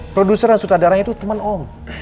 produser dan sutradaranya itu teman om